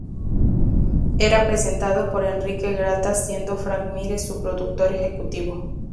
Era presentado por Enrique Gratas, siendo Fran Mires su productor ejecutivo.